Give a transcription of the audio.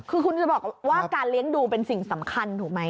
คือคุณจะบอกว่าการเลี้ยงดูเป็นสิ่งสำคัญถูกไหม